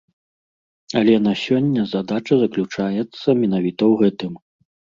Але на сёння задача заключаецца менавіта ў гэтым.